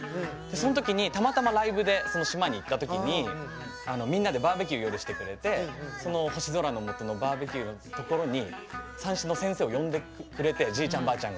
その時にたまたまライブでその島に行った時にみんなでバーベキューを夜してくれてその星空のもとのバーベキューのところに三線の先生を呼んでくれてじいちゃんばあちゃんが。